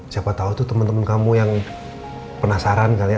siapa tau tuh temen temen kamu yang penasaran kali ya